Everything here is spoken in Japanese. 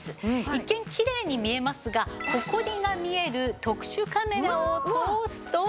一見きれいに見えますがホコリが見える特殊カメラを通すと。